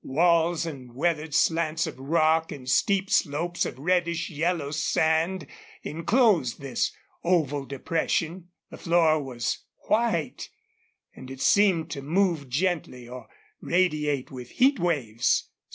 Walls and weathered slants of rock and steep slopes of reddish yellow sand inclosed this oval depression. The floor was white, and it seemed to move gently or radiate with heat waves.